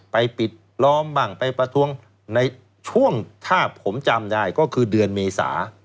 ปิดล้อมบ้างไปประท้วงในช่วงถ้าผมจำได้ก็คือเดือนเมษา